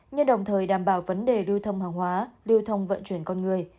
như đồng thời đảm bảo vấn đề lưu thông hàng hóa lưu thông vận chuyển con người